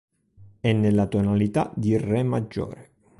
È nella tonalità di Re maggiore.